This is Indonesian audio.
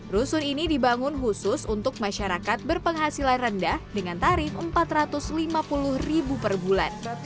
rusun ini dibangun khusus untuk masyarakat berpenghasilan rendah dengan tarif rp empat ratus lima puluh per bulan